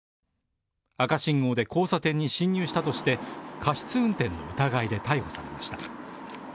赤信号で交差点に進入したとして過失運転の疑いで逮捕されました